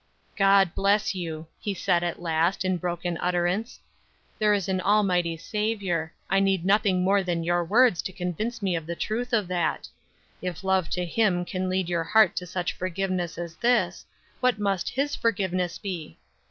"God bless you," he said, at last, in broken utterance. "There is an Almighty Saviour; I need nothing more than your words to convince me of the truth of that. If love to him can lead your heart to such forgiveness as this, what must his forgiveness be?